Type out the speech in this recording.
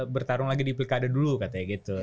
bertarung lagi di pilkada dulu katanya gitu